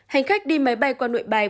hành khách đi máy bay qua nội bay